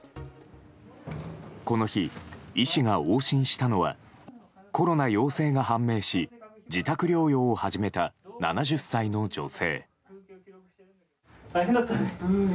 この日、医師が往診したのはコロナ陽性が判明し自宅療養を始めた７０歳の女性。